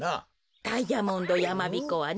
ダイヤモンドやまびこはね